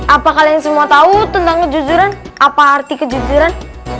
apa kalian semua tahu tentang kejujuran apa arti kejujuran